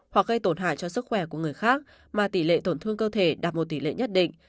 hoặc gây tổn hại cho sức khỏe của người khác mà tỷ lệ tổn thương cơ thể đạt một tỷ lệ nhất định